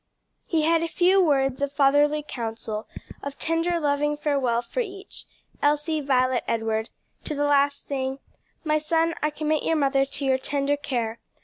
He had a few words of fatherly counsel, of tender, loving farewell for each Elsie, Violet, Edward: to the last saying, "My son, I commit your mother to your tender care.